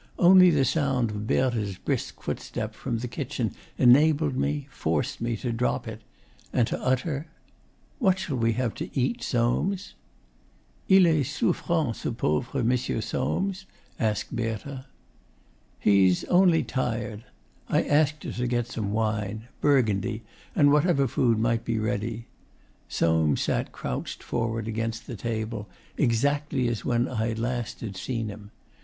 Only the sound of Berthe's brisk footstep from the kitchen enabled me, forced me, to drop it, and to utter: 'What shall we have to eat, Soames?' 'Il est souffrant, ce pauvre Monsieur Soames?' asked Berthe. 'He's only tired.' I asked her to get some wine Burgundy and whatever food might be ready. Soames sat crouched forward against the table, exactly as when last I had seen him.